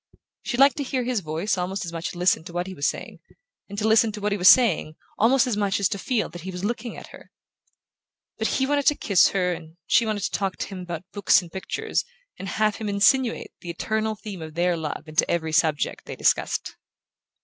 She liked to hear his voice almost as much as to listen to what he was saying, and to listen to what he was saying almost as much as to feel that he was looking at her; but he wanted to kiss her, and she wanted to talk to him about books and pictures, and have him insinuate the eternal theme of their love into every subject they discussed.